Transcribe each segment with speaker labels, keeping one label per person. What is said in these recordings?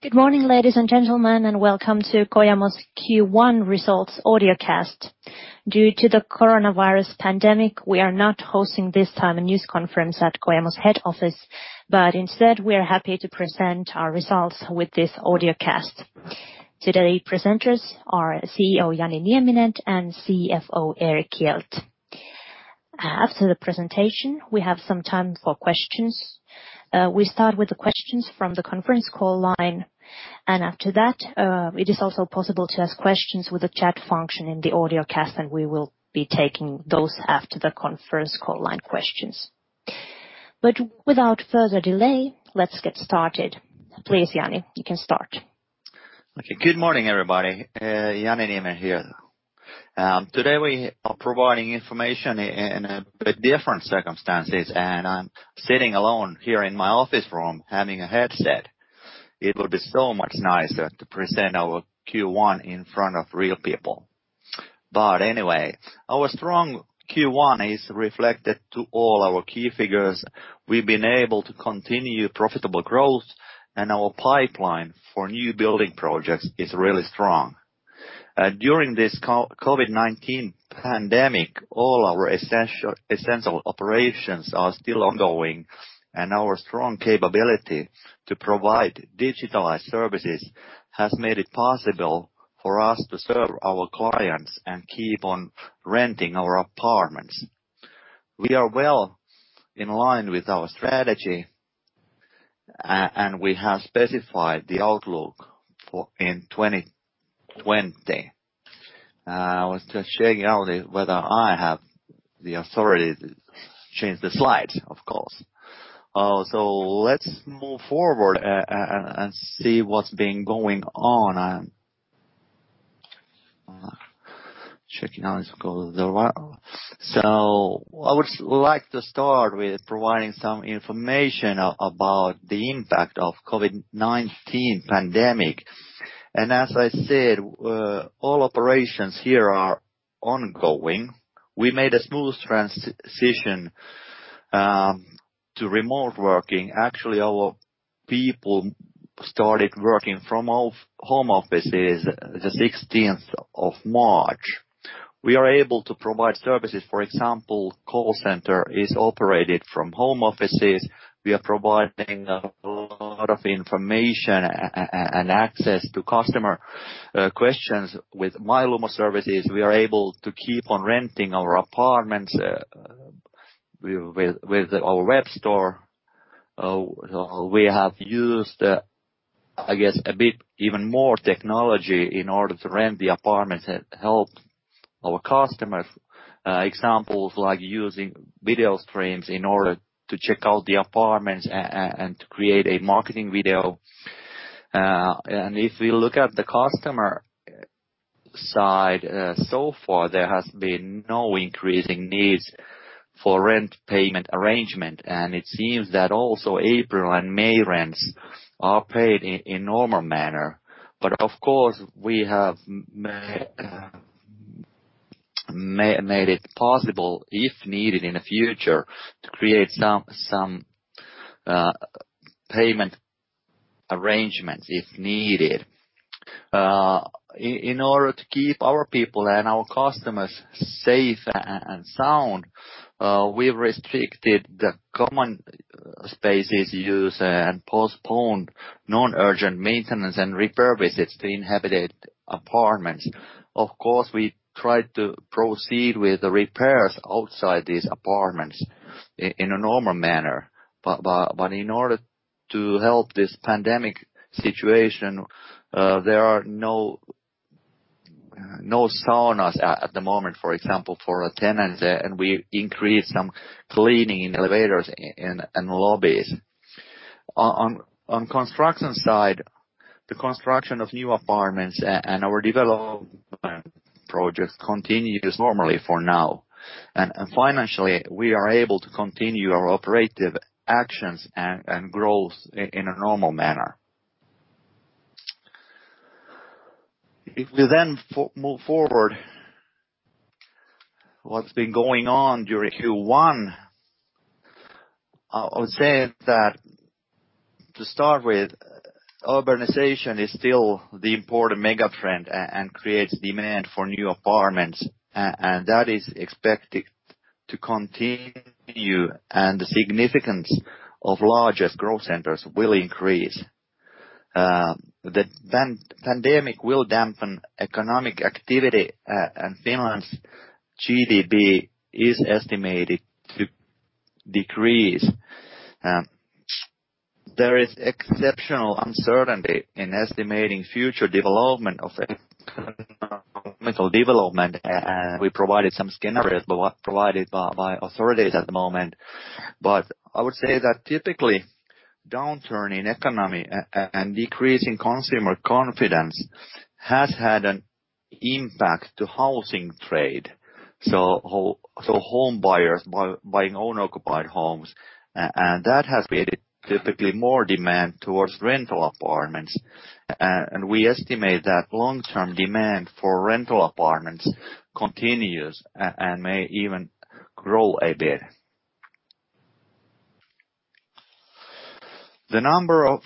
Speaker 1: Good morning, ladies and gentlemen, and welcome to Kojamo's Q1 Results Audiocast. Due to the coronavirus pandemic, we are not hosting this time a news conference at Kojamo's head office, but instead we are happy to present our results with this audiocast. Today's presenters are CEO Jani Nieminen and CFO Erik Hjelt. After the presentation, we have some time for questions. We start with the questions from the conference call line, and after that, it is also possible to ask questions with the chat function in the audiocast, and we will be taking those after the conference call line questions. Without further delay, let's get started. Please, Jani, you can start.
Speaker 2: Okay, good morning, everybody. Jani Nieminen here. Today we are providing information in a bit different circumstances, and I'm sitting alone here in my office room having a headset. It would be so much nicer to present our Q1 in front of real people. Anyway, our strong Q1 is reflected to all our key figures. We've been able to continue profitable growth, and our pipeline for new building projects is really strong. During this COVID-19 pandemic, all our essential operations are still ongoing, and our strong capability to provide digitalized services has made it possible for us to serve our clients and keep on renting our apartments. We are well in line with our strategy, and we have specified the outlook for 2020. I was just checking out whether I have the authority to change the slides, of course. Let's move forward and see what's been going on. I'm checking out the scroll. I would like to start with providing some information about the impact of the COVID-19 pandemic. As I said, all operations here are ongoing. We made a smooth transition to remote working. Actually, our people started working from home offices the 16th of March. We are able to provide services. For example, the call center is operated from home offices. We are providing a lot of information and access to customer questions with myLumo services. We are able to keep on renting our apartments with our web store. We have used, I guess, a bit even more technology in order to rent the apartments and help our customers. Examples like using video streams in order to check out the apartments and to create a marketing video. If we look at the customer side, so far there has been no increasing needs for rent payment arrangement, and it seems that also April and May rents are paid in a normal manner. Of course, we have made it possible, if needed in the future, to create some payment arrangements if needed. In order to keep our people and our customers safe and sound, we have restricted the common spaces use and postponed non-urgent maintenance and repair visits to inhabited apartments. Of course, we tried to proceed with the repairs outside these apartments in a normal manner. In order to help this pandemic situation, there are no saunas at the moment, for example, for tenants, and we increased some cleaning in elevators and lobbies. On the construction side, the construction of new apartments and our development projects continues normally for now. Financially, we are able to continue our operative actions and growth in a normal manner. If we then move forward, what's been going on during Q1, I would say that to start with, urbanization is still the important megatrend and creates demand for new apartments, and that is expected to continue, and the significance of larger growth centers will increase. The pandemic will dampen economic activity, and Finland's GDP is estimated to decrease. There is exceptional uncertainty in estimating future development of economic development, and we provided some scenarios provided by authorities at the moment. I would say that typically, downturn in the economy and decreasing consumer confidence has had an impact on the housing trade. Home buyers are buying own-occupied homes, and that has created typically more demand towards rental apartments. We estimate that long-term demand for rental apartments continues and may even grow a bit. The number of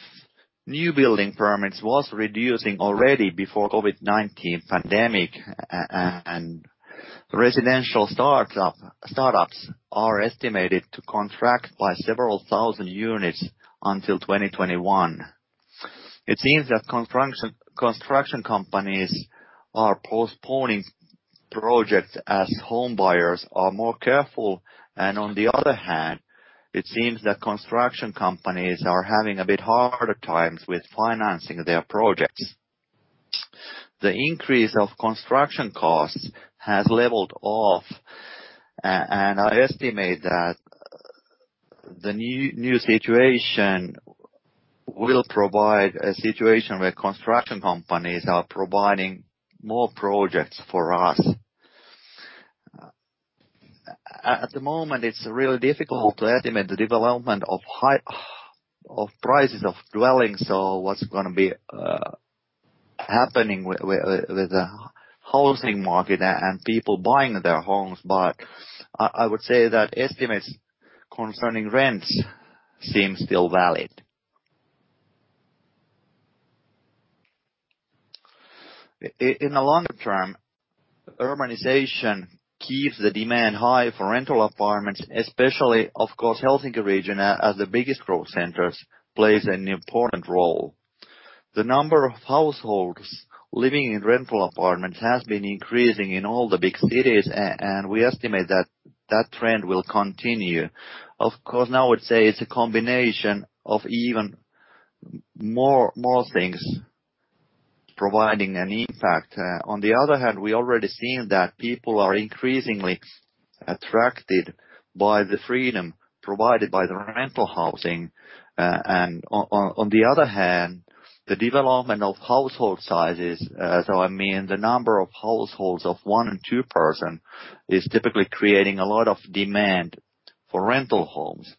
Speaker 2: new building permits was reducing already before the COVID-19 pandemic, and residential startups are estimated to contract by several thousand units until 2021. It seems that construction companies are postponing projects as home buyers are more careful, and on the other hand, it seems that construction companies are having a bit harder times with financing their projects. The increase of construction costs has leveled off, and I estimate that the new situation will provide a situation where construction companies are providing more projects for us. At the moment, it's really difficult to estimate the development of prices of dwellings, so what's going to be happening with the housing market and people buying their homes. I would say that estimates concerning rents seem still valid. In the longer term, urbanization keeps the demand high for rental apartments, especially, of course, the Helsinki region, as the biggest growth centers play an important role. The number of households living in rental apartments has been increasing in all the big cities, and we estimate that trend will continue. Of course, now I would say it's a combination of even more things providing an impact. On the other hand, we are already seeing that people are increasingly attracted by the freedom provided by the rental housing. On the other hand, the development of household sizes, so I mean the number of households of one and two persons, is typically creating a lot of demand for rental homes.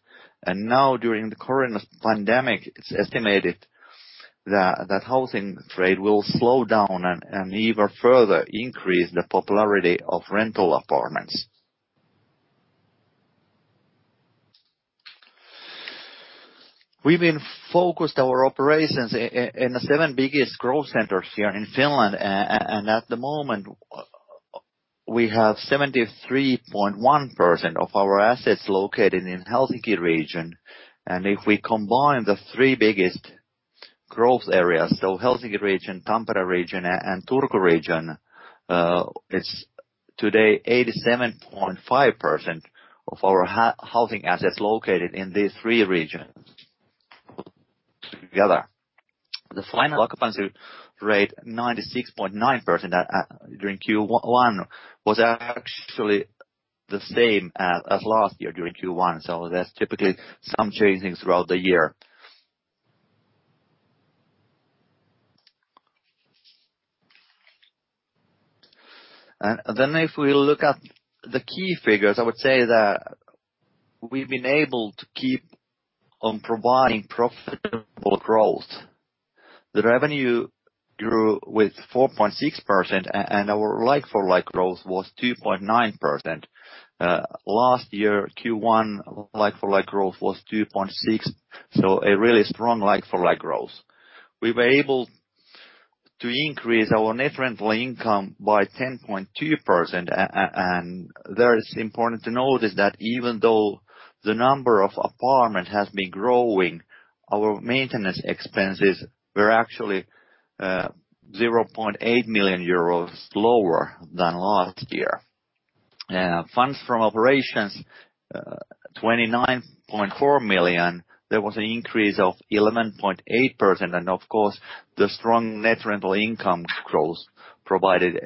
Speaker 2: Now, during the coronavirus pandemic, it's estimated that the housing trade will slow down and even further increase the popularity of rental apartments. We've been focused our operations in the seven biggest growth centers here in Finland, and at the moment, we have 73.1% of our assets located in the Helsinki region. If we combine the three biggest growth areas, so the Helsinki region, Tampere region, and Turku region, it's today 87.5% of our housing assets located in these three regions together. The final occupancy rate, 96.9% during Q1, was actually the same as last year during Q1, so there's typically some changes throughout the year. If we look at the key figures, I would say that we've been able to keep on providing profitable growth. The revenue grew with 4.6%, and our like-for-like growth was 2.9%. Last year, Q1 like-for-like growth was 2.6%, so a really strong like-for-like growth. We were able to increase our net rental income by 10.2%, and there is important to notice that even though the number of apartments has been growing, our maintenance expenses were actually 0.8 million euros lower than last year. Funds from operations, 29.4 million, there was an increase of 11.8%, and of course, the strong net rental income growth provided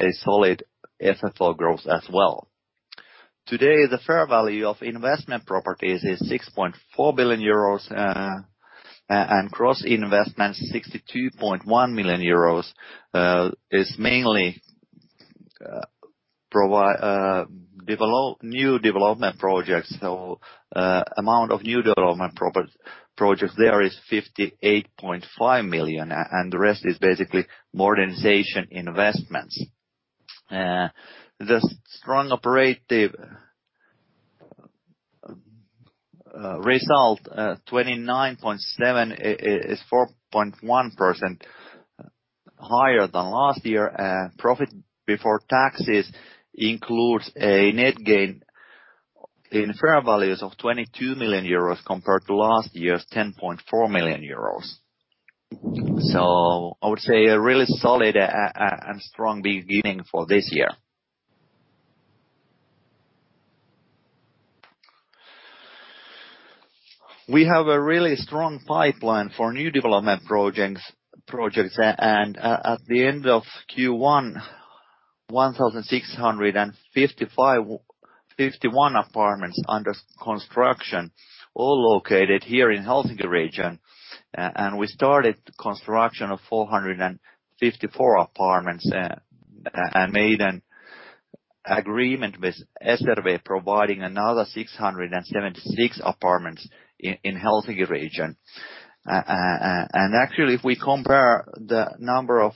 Speaker 2: a solid FFO growth as well. Today, the fair value of investment properties is 6.4 billion euros, and cross-investment 62.1 million euros is mainly new development projects. The amount of new development projects there is 58.5 million, and the rest is basically modernization investments. The strong operative result, EUR 29.7 million, is 4.1% higher than last year, and profit before taxes includes a net gain in fair values of 22 million euros compared to last year's 10.4 million euros. I would say a really solid and strong beginning for this year. We have a really strong pipeline for new development projects, and at the end of Q1, 1,651 apartments under construction, all located here in the Helsinki region. We started construction of 454 apartments and made an agreement with SRV providing another 676 apartments in the Helsinki region. Actually, if we compare the number of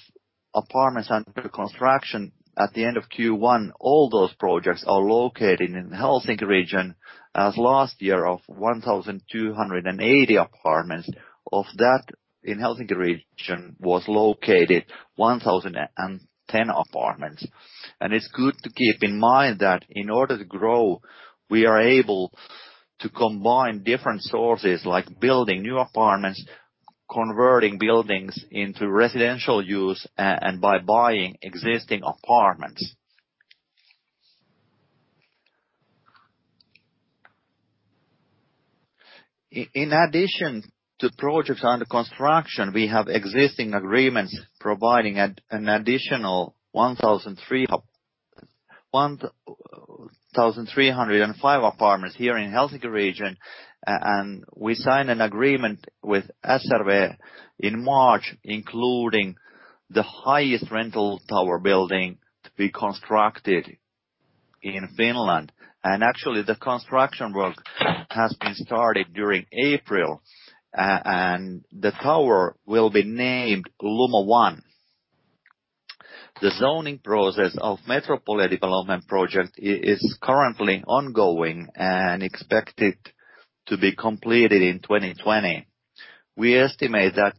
Speaker 2: apartments under construction at the end of Q1, all those projects are located in the Helsinki region, as last year of 1,280 apartments. Of that, in the Helsinki region, was located 1,010 apartments. It is good to keep in mind that in order to grow, we are able to combine different sources like building new apartments, converting buildings into residential use, and by buying existing apartments. In addition to projects under construction, we have existing agreements providing an additional 1,305 apartments here in the Helsinki region, and we signed an agreement with SRV in March, including the highest rental tower building to be constructed in Finland. Actually, the construction work has been started during April, and the tower will be named Lumo One. The zoning process of Metropolia development project is currently ongoing and expected to be completed in 2020. We estimate that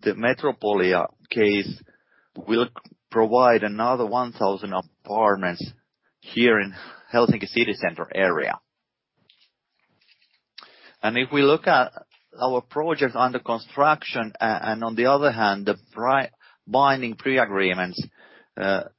Speaker 2: the Metropolia case will provide another 1,000 apartments here in the Helsinki city center area. If we look at our projects under construction, and on the other hand, the binding pre-agreements,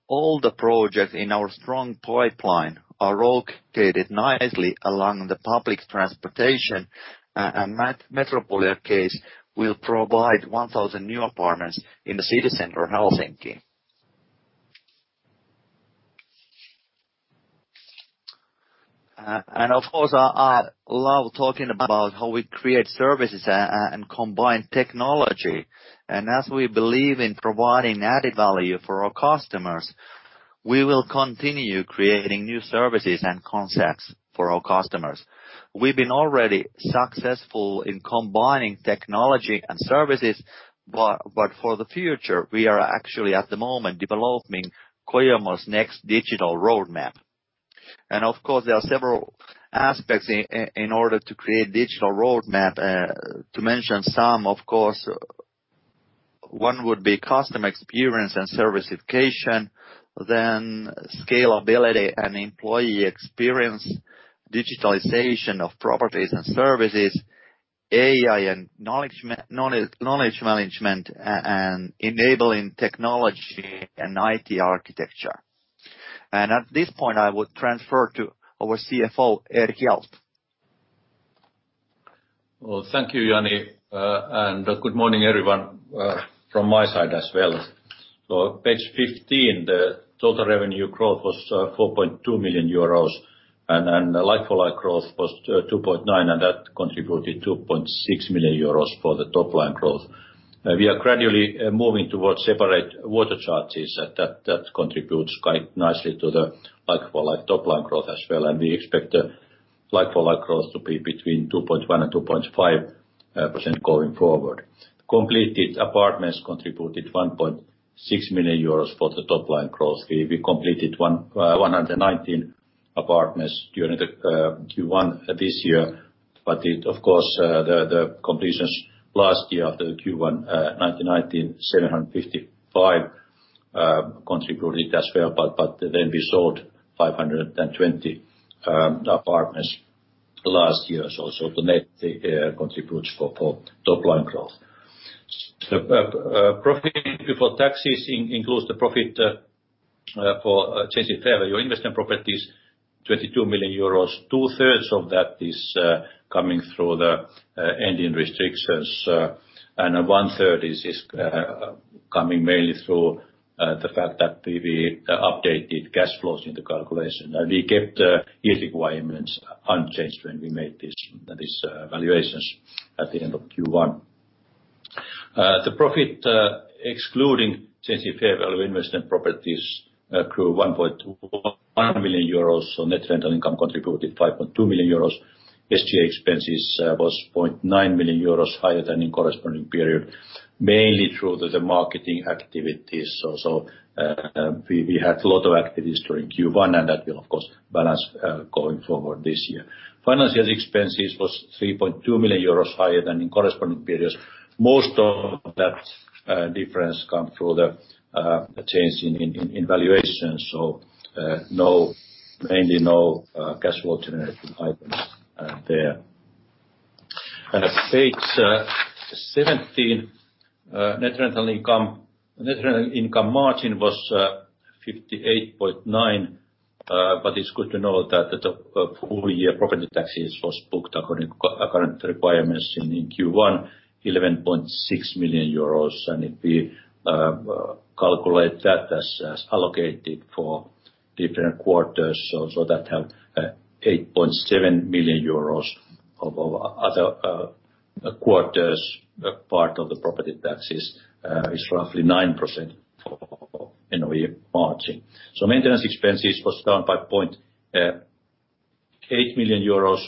Speaker 2: all the projects in our strong pipeline are located nicely along the public transportation, and Metropolia case will provide 1,000 new apartments in the city center of Helsinki. Of course, I love talking about how we create services and combine technology. As we believe in providing added value for our customers, we will continue creating new services and concepts for our customers. We have been already successful in combining technology and services, but for the future, we are actually at the moment developing Kojamo's next digital roadmap. There are several aspects in order to create a digital roadmap. To mention some, one would be customer experience and service education, then scalability and employee experience, digitalization of properties and services, AI and knowledge management, and enabling technology and IT architecture. At this point, I would transfer to our CFO, Erik Hjelt.
Speaker 3: Thank you, Jani, and good morning everyone from my side as well. Page 15, the total revenue growth was 4.2 million euros, and like-for-like growth was 2.9%, and that contributed 2.6 million euros for the top line growth. We are gradually moving towards separate water charges, and that contributes quite nicely to the like-for-like top line growth as well. We expect the like-for-like growth to be between 2.1%-2.5% going forward. Completed apartments contributed 1.6 million euros for the top line growth. We completed 119 apartments during Q1 this year, but of course, the completions last year after Q1 2019, 755 contributed as well, but then we sold 520 apartments last year as well. The net contribution for top line growth. The profit before taxes includes the profit for changing fair value investment properties, 22 million euros. Two-thirds of that is coming through the ending restrictions, and one-third is coming mainly through the fact that we updated cash flows in the calculation. We kept the year requirements unchanged when we made these valuations at the end of Q1. The profit excluding changing fair value investment properties grew 1.1 million euros, so net rental income contributed 5.2 million euros. SGA expenses was 0.9 million euros higher than in corresponding period, mainly through the marketing activities. We had a lot of activities during Q1, and that will, of course, balance going forward this year. Financial expenses was 3.2 million euros higher than in corresponding periods. Most of that difference comes through the change in valuations, so mainly no cash flow generated items there. Page 17, net rental income margin was 58.9%, but it's good to know that the full year property taxes was booked according to current requirements in Q1, 11.6 million euros, and if we calculate that as allocated for different quarters, that helped 8.7 million euros of other quarters, part of the property taxes is roughly 9% of the annual margin. Maintenance expenses was down by 0.8 million euros,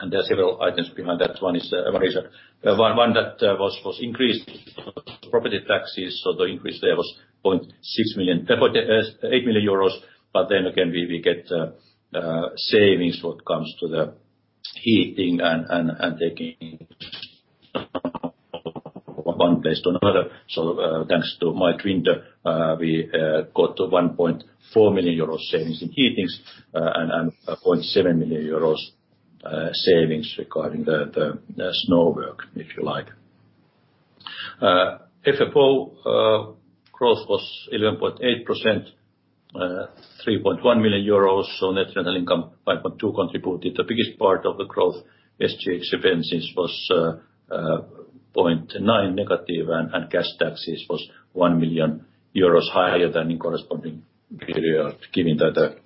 Speaker 3: and there are several items behind that. One that was increased was property taxes, so the increase there was 0.8 million, but then again, we get savings when it comes to the heating and taking one place to another. Thanks to Mike Rinder, we got 1.4 million euros savings in heatings and 0.7 million euros savings regarding the snow work, if you like. FFO growth was 11.8%, 3.1 million euros, so net rental income 5.2 contributed. The biggest part of the growth, SGA expenses was 0.9 million negative, and cash taxes was 1 million euros higher than in corresponding period, given that the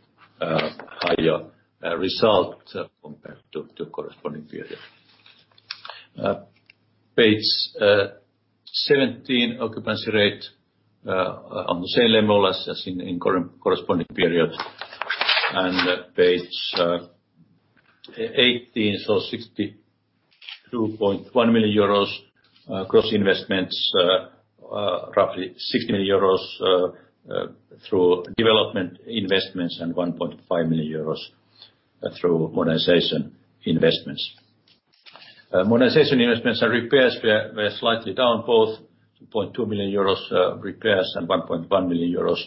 Speaker 3: higher result compared to corresponding period. Page 17, occupancy rate on the same level as in corresponding period, and page 18, so 62.1 million euros gross investments, roughly 60 million euros through development investments and 1.5 million euros through modernization investments. Modernization investments and repairs were slightly down, both 2.2 million euros repairs and 1.1 million euros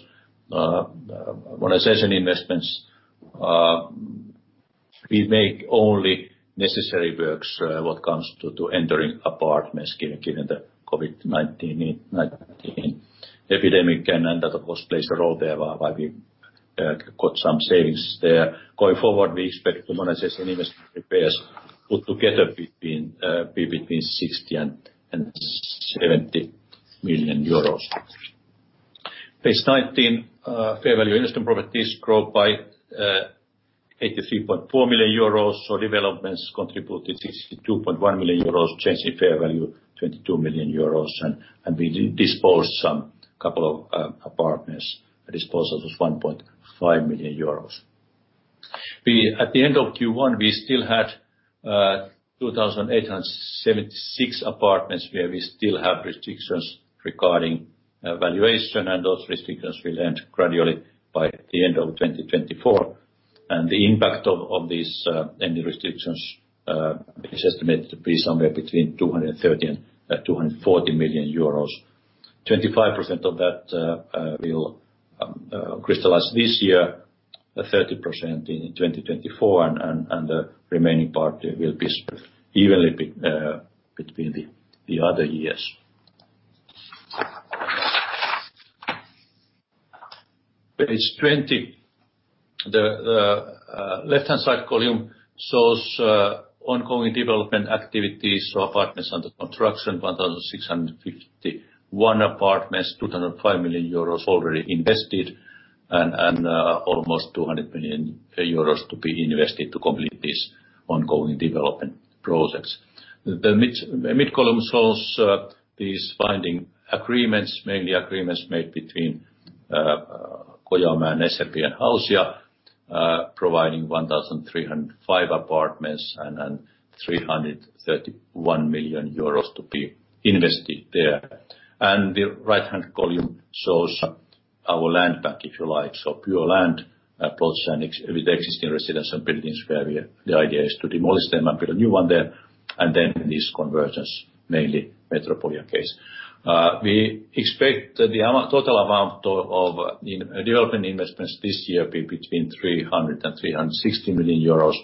Speaker 3: modernization investments. We make only necessary works when it comes to entering apartments, given the COVID-19 epidemic, and that, of course, plays a role there why we got some savings there. Going forward, we expect the modernization investment repairs put together between 60 million-70 million euros. Page 19, fair value investment properties grow by 83.4 million euros, so developments contributed 62.1 million euros, changing fair value 22 million euros, and we disposed some couple of apartments. Disposal was 1.5 million euros. At the end of Q1, we still had 2,876 apartments where we still have restrictions regarding valuation, and those restrictions will end gradually by the end of 2024. The impact of these ending restrictions is estimated to be somewhere between 230 million-240 million euros. 25% of that will crystallize this year, 30% in 2024, and the remaining part will be evenly between the other years. Page 20, the left-hand side column shows ongoing development activities, so apartments under construction, 1,651 apartments, 2.5 million euros already invested, and almost 200 million euros to be invested to complete these ongoing development projects. The mid-column shows these binding agreements, mainly agreements made between Kojamo and SRV and Hausia, providing 1,305 apartments and 331 million euros to be invested there. The right-hand column shows our land bank, if you like, so pure land plots with existing residential buildings where the idea is to demolish them and build a new one there, and then these conversions, mainly Metropolia case. We expect the total amount of development investments this year to be between 300 million and 360 million euros.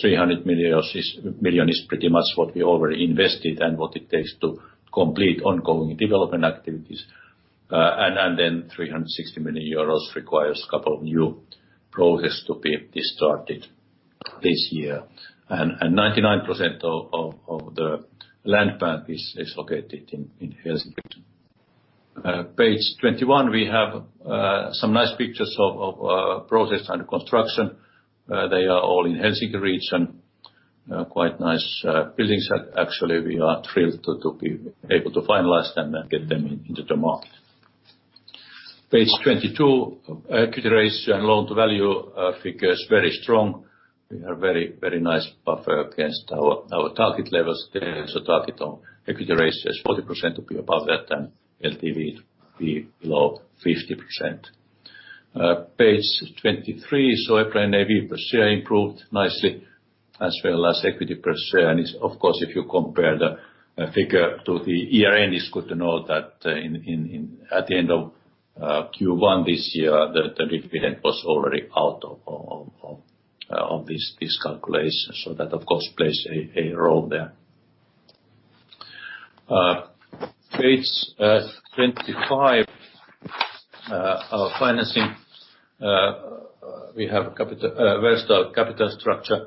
Speaker 3: 300 million is pretty much what we already invested and what it takes to complete ongoing development activities. 360 million euros requires a couple of new projects to be started this year. 99% of the land bank is located in Helsinki. Page 21, we have some nice pictures of projects under construction. They are all in the Helsinki region, quite nice buildings. Actually, we are thrilled to be able to finalize them and get them into the market. Page 22, equity ratio and loan to value figures very strong. We have very nice buffer against our target levels there, so target equity ratio is 40% to be above that, and LTV to be below 50%. Page 23, so EPRA and EV per share improved nicely as well as equity per share. Of course, if you compare the figure to the year-end, it is good to know that at the end of Q1 this year, the dividend was already out of this calculation, so that, of course, plays a role there. Page 25, financing, we have a versatile capital structure.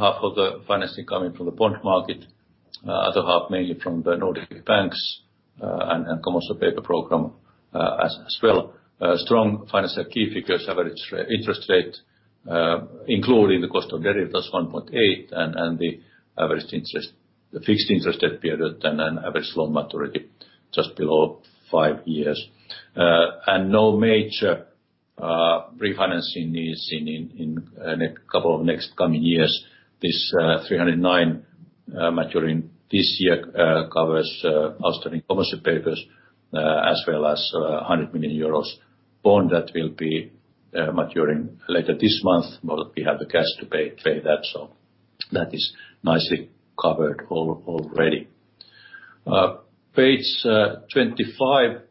Speaker 3: Half of the financing coming from the bond market, the other half mainly from the Nordic banks and Commercial Paper Program as well. Strong financial key figures, average interest rate, including the cost of derivatives 1.8, and the average fixed interest that appeared, and average loan maturity just below five years. No major refinancing needs in a couple of next coming years. This 309 million maturing this year covers outstanding commercial papers as well as 100 million euros bond that will be maturing later this month. We have the cash to pay that, so that is nicely covered already. Page 25,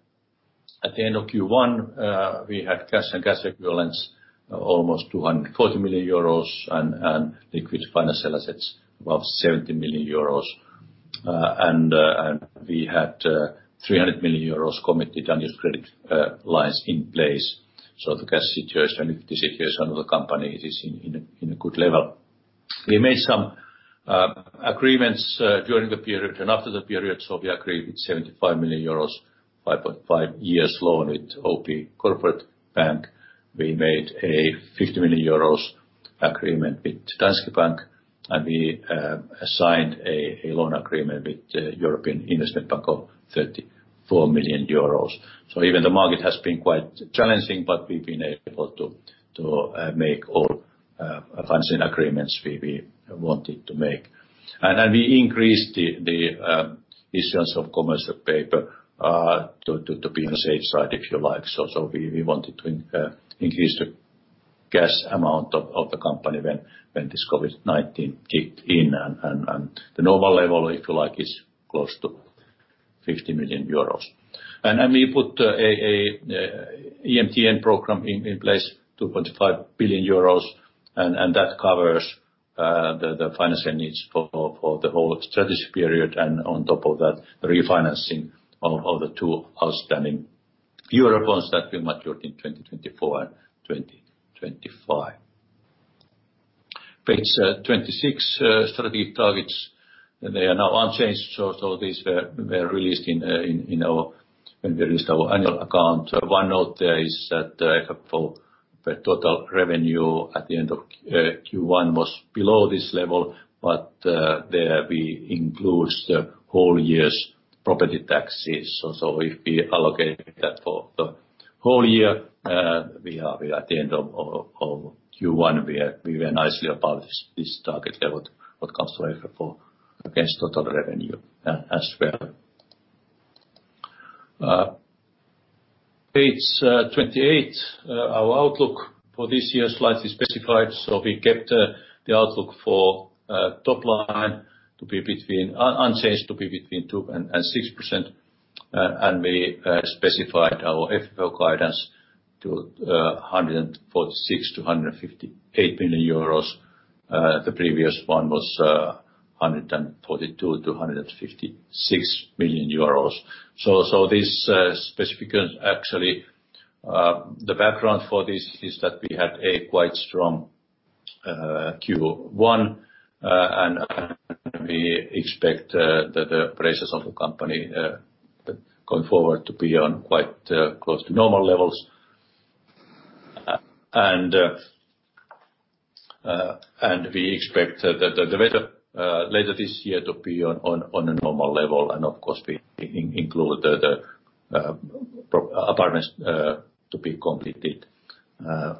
Speaker 3: at the end of Q1, we had cash and cash equivalents, almost 240 million euros, and liquid financial assets above 70 million euros. We had 300 million euros committed unused credit lines in place, so the cash situation and liquidity situation of the company is in a good level. We made some agreements during the period and after the period, so we agreed with 75 million euros, 5.5 years loan with OP Corporate Bank. We made a 50 million euros agreement with Danske Bank, and we signed a loan agreement with the European Investment Bank of 34 million euros. Even the market has been quite challenging, but we've been able to make all financing agreements we wanted to make. We increased the issuance of commercial paper to be on the safe side, if you like. We wanted to increase the cash amount of the company when this COVID-19 kicked in, and the normal level, if you like, is close to 50 million euros. We put an EMTN program in place, 2.5 billion euros, and that covers the financial needs for the whole strategy period, and on top of that, the refinancing of the two outstanding euro bonds that will mature in 2024 and 2025. Page 26, strategic targets, they are now unchanged, so these were released when we released our annual account. One note there is that for the total revenue at the end of Q1 was below this level, but there we include the whole year's property taxes. If we allocate that for the whole year, at the end of Q1, we were nicely above this target level when it comes to EPRA against total revenue as well. Page 28, our outlook for this year is slightly specified, so we kept the outlook for top line to be between unchanged to be between 2%-6%, and we specified our FFO guidance to 146 million-158 million euros. The previous one was 142 million-156 million euros. This specification, actually, the background for this is that we had a quite strong Q1, and we expect that the prices of the company going forward to be on quite close to normal levels. We expect that later this year to be on a normal level, and of course, we include the apartments to be completed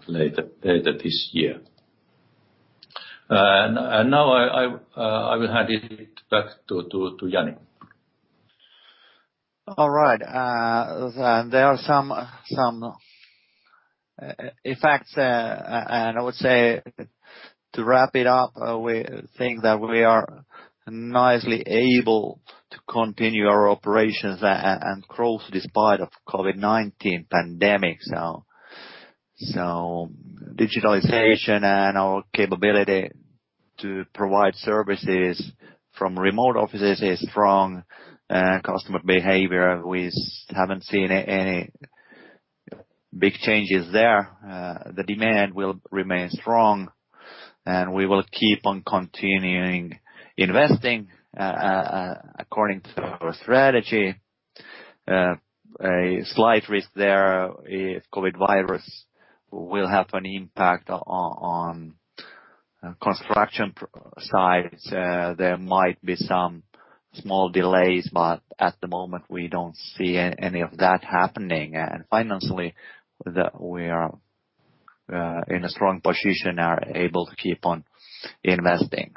Speaker 3: later this year. Now I will hand it back to Jani Nieminen.
Speaker 2: All right. There are some effects, and I would say to wrap it up, we think that we are nicely able to continue our operations and growth despite the COVID-19 pandemic. Digitalization and our capability to provide services from remote offices is strong, and customer behavior, we have not seen any big changes there. The demand will remain strong, and we will keep on continuing investing according to our strategy. A slight risk there is COVID virus will have an impact on construction sites. There might be some small delays, but at the moment, we do not see any of that happening. Financially, we are in a strong position, are able to keep on investing.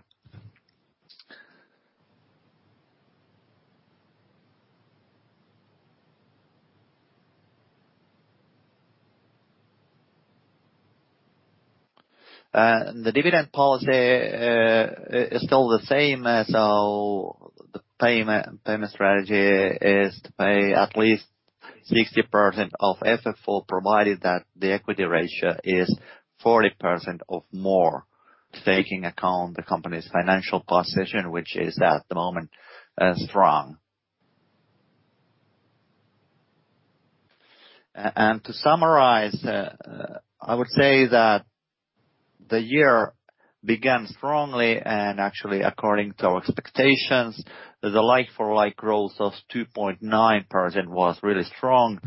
Speaker 2: The dividend policy is still the same, so the payment strategy is to pay at least 60% of EPRA provided that the equity ratio is 40% or more, taking into account the company's financial position, which is at the moment strong. To summarize, I would say that the year began strongly, and actually, according to our expectations, the like-for-like growth of 2.9% was really strong,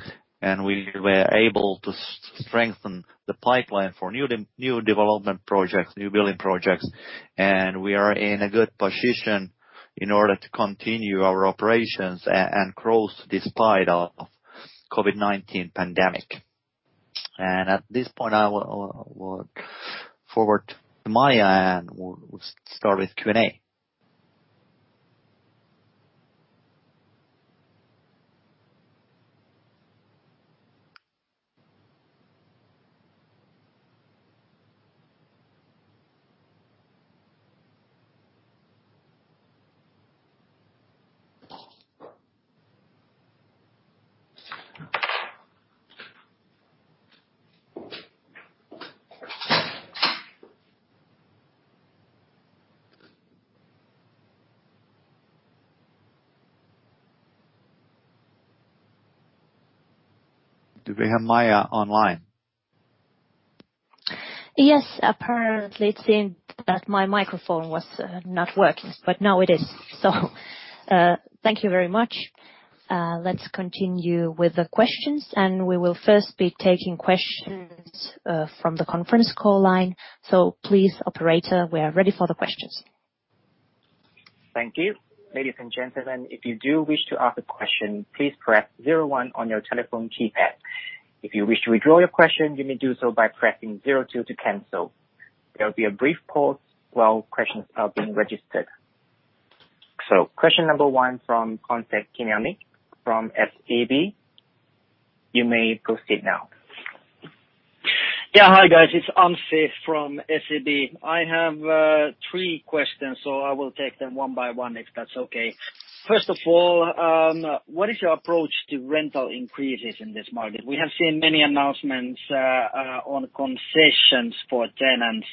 Speaker 2: and we were able to strengthen the pipeline for new development projects, new building projects, and we are in a good position in order to continue our operations and growth despite the COVID-19 pandemic. At this point, I will forward to Maja and we'll start with Q&A. Do we have Maja online? Yes, apparently it seemed that my microphone was not working, but now it is. Thank you very much. Let's continue with the questions, and we will first be taking questions from the conference call line. Please, operator, we are ready for the questions.
Speaker 4: Thank you. Ladies and gentlemen, if you do wish to ask a question, please press zero one on your telephone keypad. If you wish to withdraw your question, you may do so by pressing zero two to cancel. There will be a brief pause while questions are being registered. Question number one from Concept Kim Yong Min from SEB. You may proceed now.
Speaker 5: Yeah, hi guys. It's Anssi from SEB. I have three questions, so I will take them one by one if that's okay. First of all, what is your approach to rental increases in this market? We have seen many announcements on concessions for tenants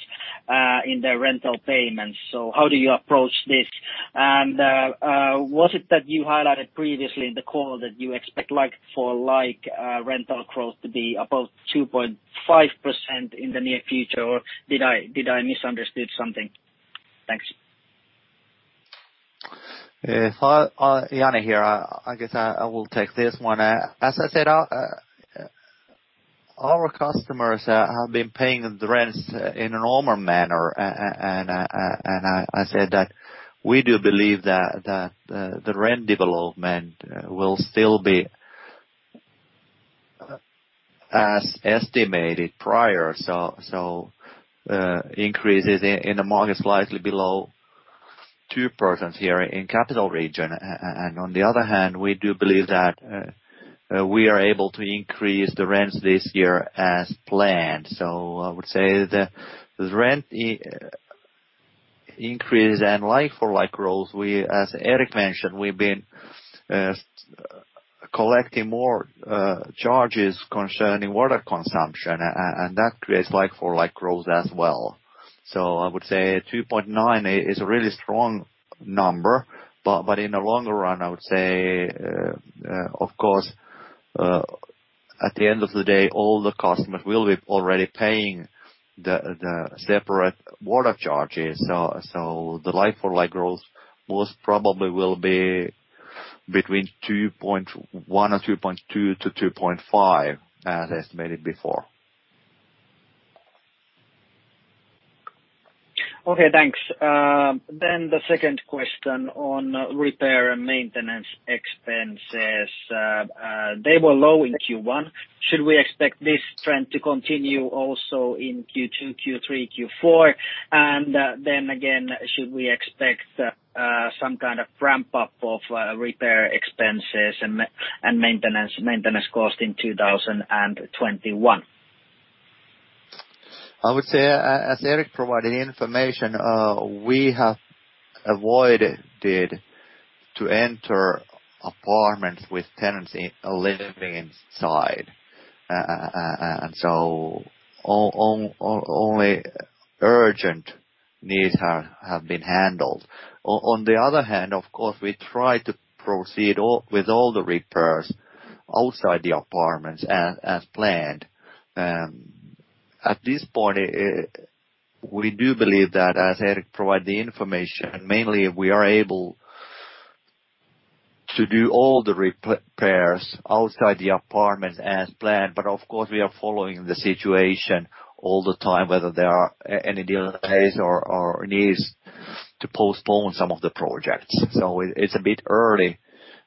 Speaker 5: in their rental payments, so how do you approach this? Was it that you highlighted previously in the call that you expect like-for-like rental growth to be about 2.5% in the near future, or did I misunderstand something? Thanks.
Speaker 2: Hi, Jani here. I guess I will take this one. As I said, our customers have been paying the rents in a normal manner, and I said that we do believe that the rent development will still be as estimated prior, so increases in the market slightly below 2% here in the capital region. On the other hand, we do believe that we are able to increase the rents this year as planned. I would say the rent increase and like-for-like growth, as Erik mentioned, we have been collecting more charges concerning water consumption, and that creates like-for-like growth as well. I would say 2.9 is a really strong number, but in the longer run, I would say, of course, at the end of the day, all the customers will be already paying the separate water charges. The like-for-like growth most probably will be between 1% and 2.2%-2.5%, as estimated before.
Speaker 5: Okay, thanks. The second question on repair and maintenance expenses. They were low in Q1. Should we expect this trend to continue also in Q2, Q3, Q4? Again, should we expect some kind of ramp-up of repair expenses and maintenance cost in 2021?
Speaker 2: I would say, as Erik provided information, we have avoided to enter apartments with tenants living inside, and only urgent needs have been handled. On the other hand, of course, we try to proceed with all the repairs outside the apartments as planned. At this point, we do believe that, as Erik provided the information, mainly we are able to do all the repairs outside the apartments as planned, but of course, we are following the situation all the time, whether there are any delays or needs to postpone some of the projects. It is a bit early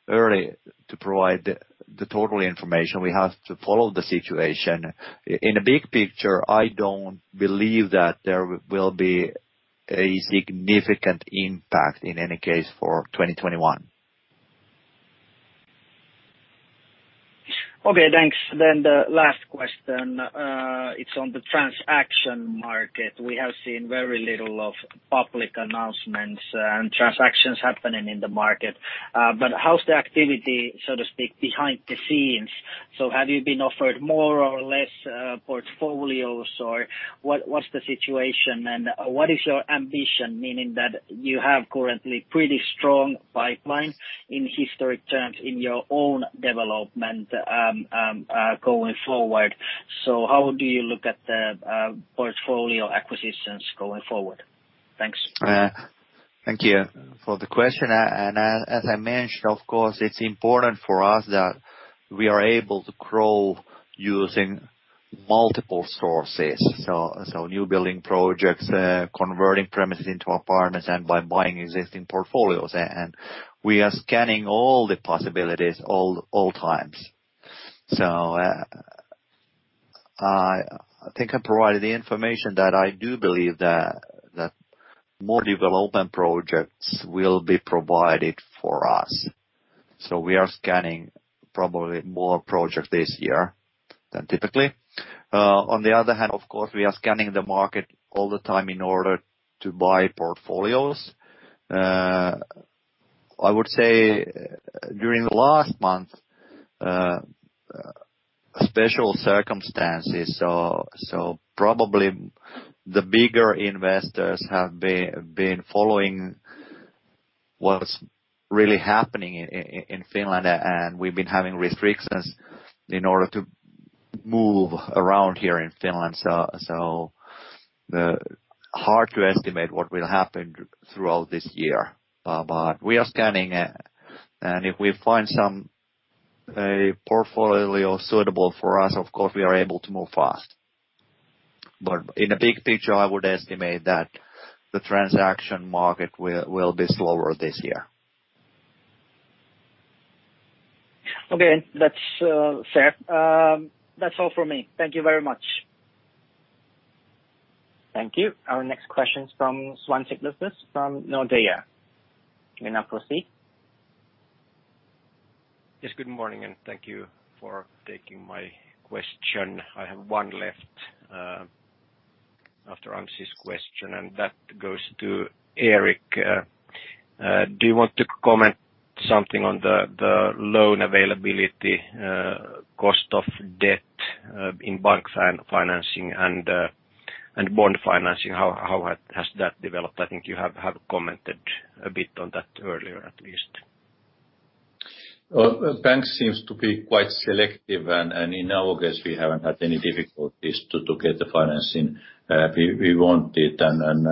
Speaker 2: to provide the total information. We have to follow the situation. In the big picture, I do not believe that there will be a significant impact in any case for 2021.
Speaker 5: Okay, thanks. The last question, it is on the transaction market. We have seen very little of public announcements and transactions happening in the market, but how is the activity, so to speak, behind the scenes? Have you been offered more or less portfolios, or what is the situation, and what is your ambition, meaning that you have currently a pretty strong pipeline in historic terms in your own development going forward? How do you look at the portfolio acquisitions going forward? Thanks.
Speaker 2: Thank you for the question. As I mentioned, of course, it is important for us that we are able to grow using multiple sources, so new building projects, converting premises into apartments, and by buying existing portfolios. We are scanning all the possibilities at all times. I think I provided the information that I do believe that more development projects will be provided for us. We are scanning probably more projects this year than typically. On the other hand, of course, we are scanning the market all the time in order to buy portfolios. I would say during the last month, special circumstances, so probably the bigger investors have been following what's really happening in Finland, and we've been having restrictions in order to move around here in Finland. Hard to estimate what will happen throughout this year, but we are scanning, and if we find a portfolio suitable for us, of course, we are able to move fast. In the big picture, I would estimate that the transaction market will be slower this year.
Speaker 5: Okay, that's fair. That's all for me. Thank you very much.
Speaker 4: Thank you. Our next question is from [Swansi Rufus] from Nordea. You may now proceed. Yes, good morning, and thank you for taking my question. I have one left after Anssi's question, and that goes to Erik. Do you want to comment something on the loan availability, cost of debt in bank financing and bond financing? How has that developed? I think you have commented a bit on that earlier, at least.
Speaker 3: The bank seems to be quite selective, and in our case, we have not had any difficulties to get the financing we wanted, and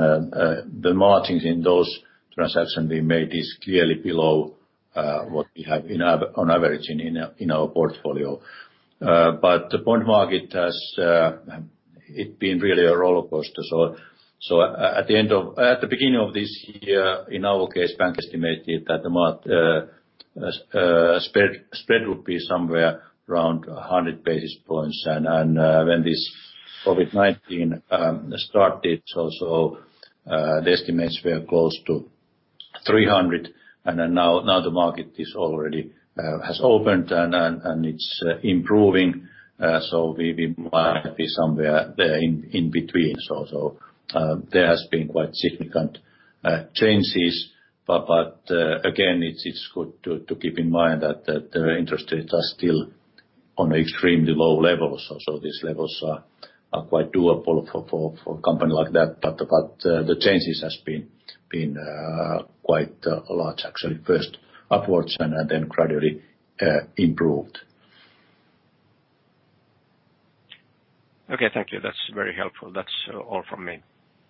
Speaker 3: the margins in those transactions we made is clearly below what we have on average in our portfolio. The bond market has been really a rollercoaster. At the beginning of this year, in our case, the bank estimated that the spread would be somewhere around 100 basis points, and when this COVID-19 started, the estimates were close to 300, and now the market has opened and it is improving, so we might be somewhere there in between. There have been quite significant changes, but again, it's good to keep in mind that the interest rates are still on an extremely low level, so these levels are quite doable for a company like that, but the changes have been quite large, actually, first upwards and then gradually improved. Okay, thank you. That's very helpful. That's all from me.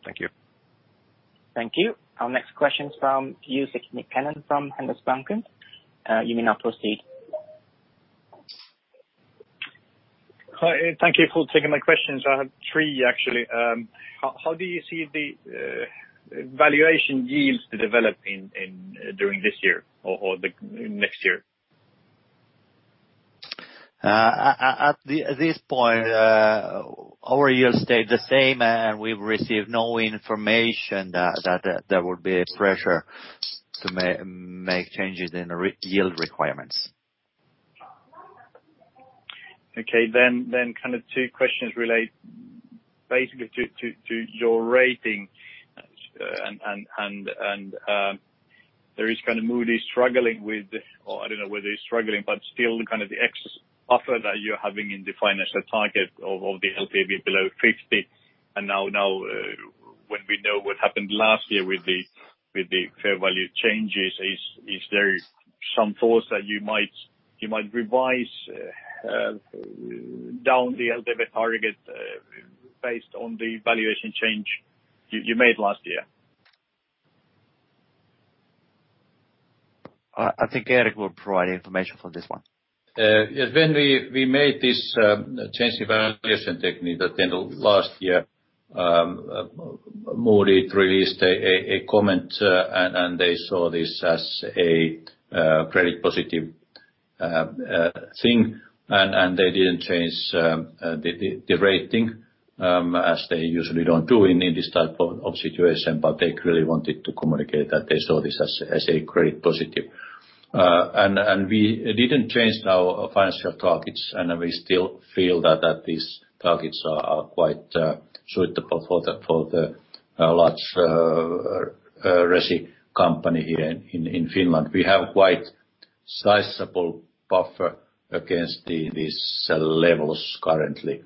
Speaker 3: Thank you.
Speaker 4: Thank you. Our next question is from Jussi Nikkanen from Handelsbanken. You may now proceed.
Speaker 6: Hi, thank you for taking my questions. I had three, actually. How do you see the valuation yields developing during this year or next year?
Speaker 2: At this point, our yields stayed the same, and we've received no information that there would be a pressure to make changes in the yield requirements.
Speaker 6: Okay, then kind of two questions relate basically to your rating, and there is kind of Moody's struggling with, or I do not know whether it is struggling, but still kind of the excess offer that you are having in the financial target of the LTV below 50. And now when we know what happened last year with the fair value changes, is there some thoughts that you might revise down the LTV target based on the valuation change you made last year?
Speaker 2: I think Erik will provide information for this one.
Speaker 3: Yes, when we made this change in valuation technique at the end of last year, Moody's released a comment, and they saw this as a credit-positive thing, and they did not change the rating, as they usually do not do in this type of situation, but they really wanted to communicate that they saw this as a credit-positive. We did not change our financial targets, and we still feel that these targets are quite suitable for the large resi company here in Finland. We have quite a sizable buffer against these levels currently.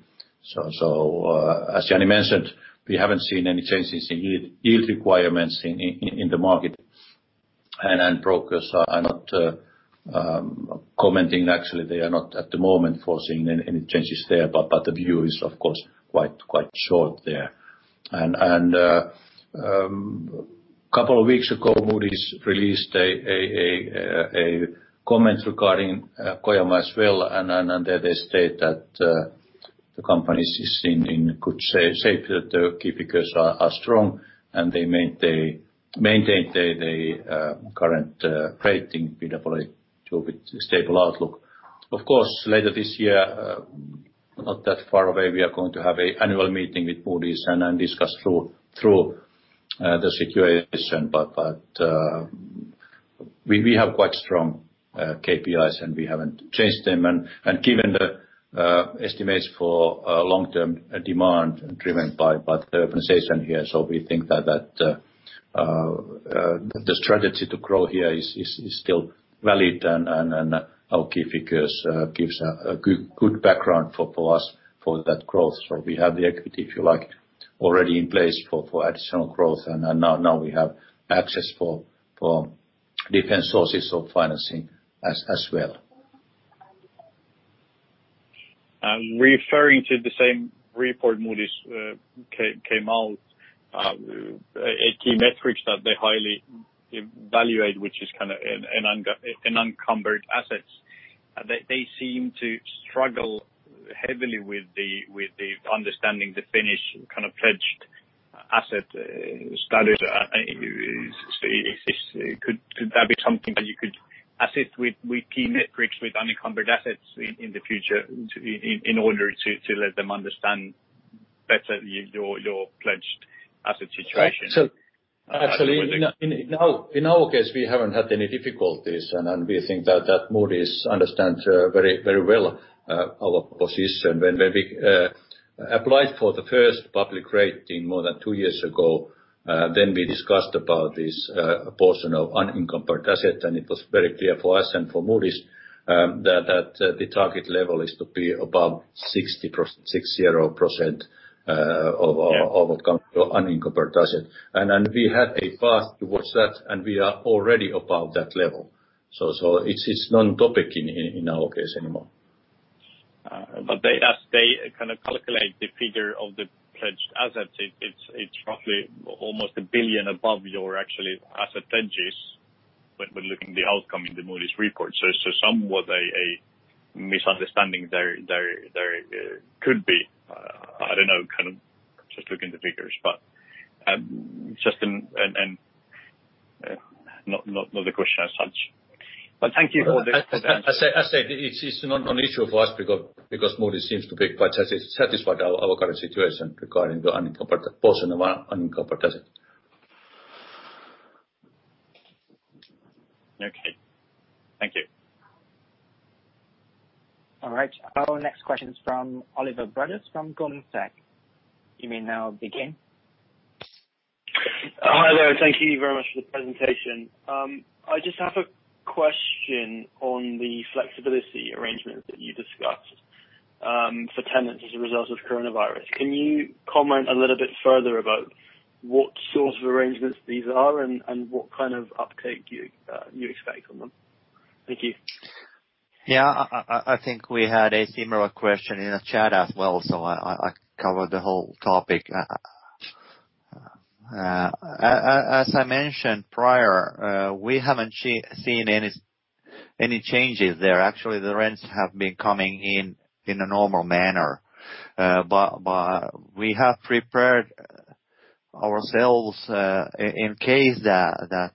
Speaker 3: As Jani mentioned, we have not seen any changes in yield requirements in the market, and brokers are not commenting. Actually, they are not at the moment forcing any changes there, but the view is, of course, quite short there. A couple of weeks ago, Moody's released a comment regarding Kojamo as well, and there they state that the company is in good shape, that the key figures are strong, and they maintained the current rating with a stable outlook. Of course, later this year, not that far away, we are going to have an annual meeting with Moody's and discuss through the situation, but we have quite strong KPIs, and we have not changed them. Given the estimates for long-term demand driven by the organization here, we think that the strategy to grow here is still valid, and our key figures give a good background for us for that growth. We have the equity, if you like, already in place for additional growth, and now we have access for different sources of financing as well.
Speaker 6: Referring to the same report Moody's came out, a key metric that they highly evaluate, which is kind of an unencumbered assets, they seem to struggle heavily with the understanding the Finnish kind of pledged asset status. Could that be something that you could assist with key metrics with unencumbered assets in the future in order to let them understand better your pledged asset situation?
Speaker 3: Actually, in our case, we have not had any difficulties, and we think that Moody's understands very well our position. When we applied for the first public rating more than two years ago, then we discussed about this portion of unencumbered asset, and it was very clear for us and for Moody's that the target level is to be above 60%, 60% of our unencumbered asset. We had a path towards that, and we are already above that level. It is non-topic in our case anymore.
Speaker 6: As they kind of calculate the figure of the pledged asset, it is roughly almost 1 billion above your actual asset pledges when looking at the outcome in the Moody's report. Somewhat a misunderstanding there could be. I do not know, kind of just looking at the figures, but just another question as such. Thank you for the answer.
Speaker 3: I say it's not an issue for us because Moody's seems to be quite satisfied with our current situation regarding the unencumbered portion of unencumbered asset.
Speaker 6: Okay, thank you.
Speaker 4: All right. Our next question is from Oliver Brothers from Goldman Sachs. You may now begin.
Speaker 7: Hi there. Thank you very much for the presentation. I just have a question on the flexibility arrangements that you discussed for tenants as a result of coronavirus. Can you comment a little bit further about what sort of arrangements these are and what kind of uptake you expect from them? Thank you.
Speaker 2: Yeah, I think we had a similar question in the chat as well, so I covered the whole topic. As I mentioned prior, we haven't seen any changes there. Actually, the rents have been coming in in a normal manner, but we have prepared ourselves in case that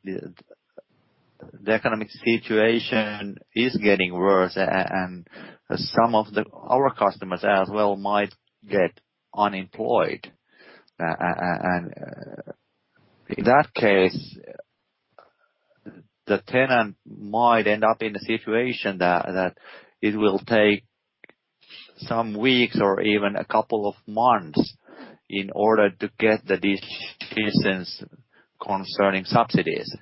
Speaker 2: the economic situation is getting worse and some of our customers as well might get unemployed. In that case, the tenant might end up in a situation that it will take some weeks or even a couple of months in order to get the decisions concerning subsidies.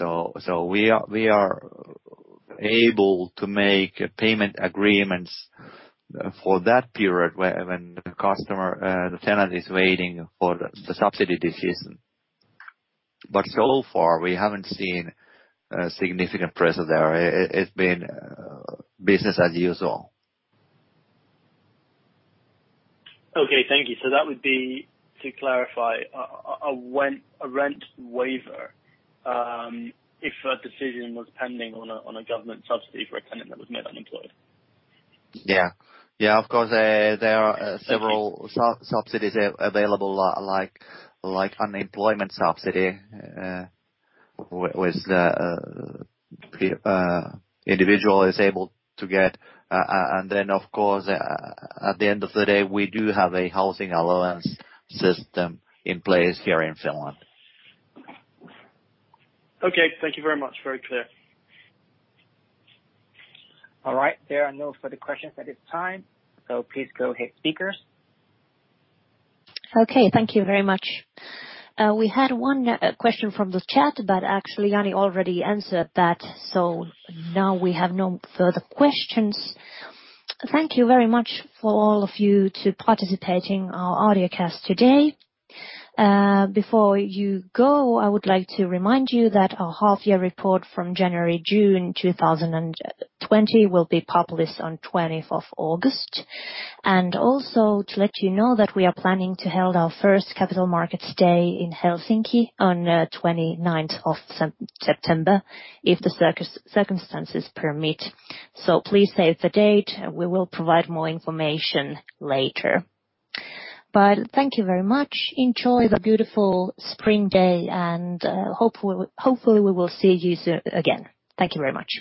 Speaker 2: We are able to make payment agreements for that period when the customer, the tenant, is waiting for the subsidy decision. So far, we haven't seen a significant pressure there. It's been business as usual.
Speaker 7: Okay, thank you. That would be, to clarify, a rent waiver if a decision was pending on a government subsidy for a tenant that was made unemployed.
Speaker 2: Yeah. Yeah, of course, there are several subsidies available, like unemployment subsidy, which the individual is able to get. And then, of course, at the end of the day, we do have a housing allowance system in place here in Finland.
Speaker 7: Okay, thank you very much. Very clear.
Speaker 4: All right. There are no further questions at this time, so please go ahead, speakers. Okay, thank you very much. We had one question from the chat, but actually, Jani already answered that, so now we have no further questions. Thank you very much for all of you participating in our audiocast today. Before you go, I would like to remind you that our half-year report from January-June 2020 will be published on 20th of August. And also to let you know that we are planning to hold our first capital markets day in Helsinki on 29th of September, if the circumstances permit. Please save the date. We will provide more information later. Thank you very much. Enjoy the beautiful spring day, and hopefully, we will see you soon again. Thank you very much.